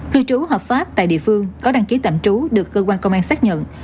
cư trú hợp pháp tại địa phương có đăng ký tạm trú được cơ quan công an xác nhận